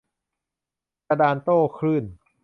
กระดานโต้คลื่น